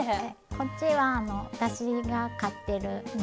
こっちは私が飼ってるね